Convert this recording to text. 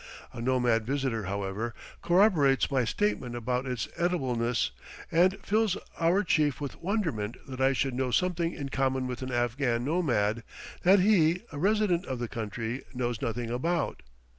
A nomad visitor, however, corroborates my statement about its edibleness, and fills our chief with wonderment that I should know something in common with an Afghan nomad, that he, a resident of the country, knows nothing about.